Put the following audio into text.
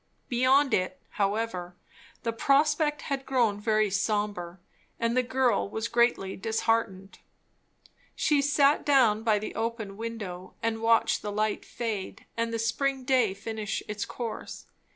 Beyond it, however, the prospect had grown very sombre, and the girl was greatly disheartened. She sat down by the open window, and watched the light fade and the spring day finish its course.